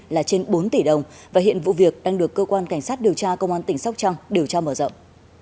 là trên bốn tỷ đồng và hiện vụ việc đang được cơ quan cảnh sát điều tra công an tỉnh sóc trăng điều tra mở rộng